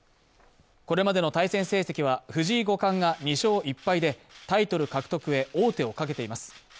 これまでの対戦成績は藤井五冠が２勝１敗でタイトル獲得へ王手をかけています。